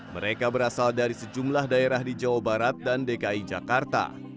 mereka berasal dari sejumlah daerah di jawa barat dan dki jakarta